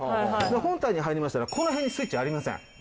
本体に入りましたらこの辺にスイッチありません。